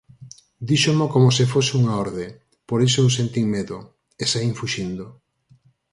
Díxomo como se fose unha orde, por iso eu sentín medo, e saín fuxindo.